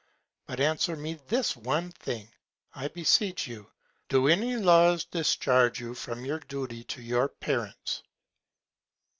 But answer me this one Thing, I beseech you, do any Laws discharge you from your Duty to your Parents?